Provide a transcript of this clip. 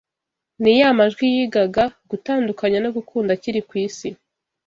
Ni ya majwi yigaga gutandukanya no gukunda akiri ku isi